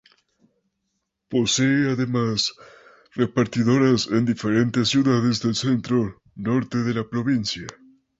Posee además repetidoras en diferentes ciudades del centro norte de la provincia.